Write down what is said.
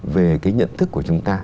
về cái nhận thức của chúng ta